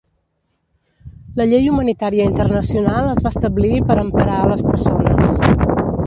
La llei humanitària internacional es va establir per emparar les persones.